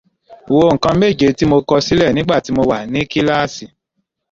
Wo ǹkan méje tí mo kọ sílẹ̀ nígbà tí mo wà ní kíláàsì